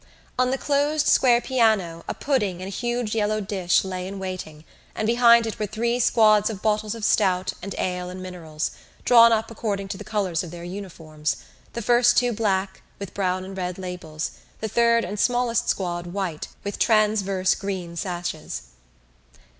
On the closed square piano a pudding in a huge yellow dish lay in waiting and behind it were three squads of bottles of stout and ale and minerals, drawn up according to the colours of their uniforms, the first two black, with brown and red labels, the third and smallest squad white, with transverse green sashes.